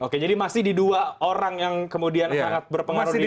oke jadi masih di dua orang yang kemudian sangat berpengaruh di luar